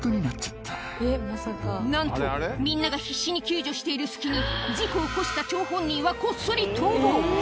なんと、みんなが必死に救助している隙に、事故を起こした張本人はこっそり逃亡。